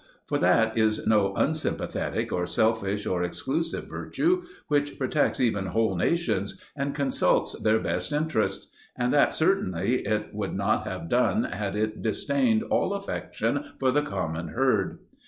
For that is no unsympathetic or selfish or exclusive virtue, which protects even whole nations and consults their best interests. And that certainly it would not have done had it disdained all affection for the common herd.